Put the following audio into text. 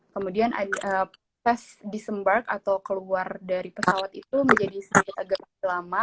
kemudian pas disembark atau keluar dari pesawat itu menjadi sedikit agak lama